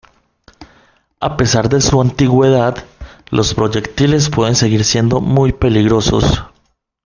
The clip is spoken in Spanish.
A pesar de su antigüedad, los proyectiles pueden seguir siendo muy peligrosos.